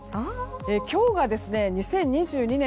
今日が２０２２年